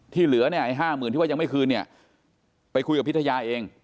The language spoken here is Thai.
เหลือเนี่ยไอ้๕๐๐๐ที่ว่ายังไม่คืนเนี่ยไปคุยกับพิทยาเอง